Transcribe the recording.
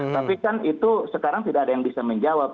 tapi kan itu sekarang tidak ada yang bisa menjawab